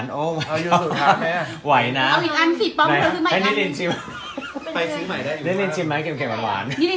นินชิมก่อนตนไปเป็นยังไง